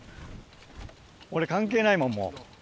俺関係ないもんもう。